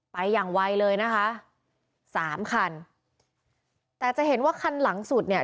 ไปอย่างไวเลยนะคะสามคันแต่จะเห็นว่าคันหลังสุดเนี่ย